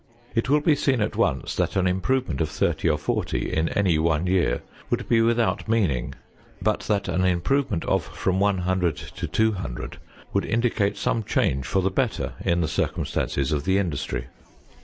It will be seen at once that an improvement of 30 or 40 in any one year would be without meaning, but that an improvement of from 100 to 200 would indicate some change for the better in the circumstances of the industry.